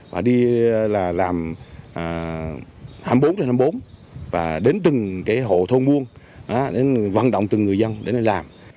và đi làm hai mươi bốn năm mươi bốn và đến từng hộ thôn muôn vận động từng người dân đến đây làm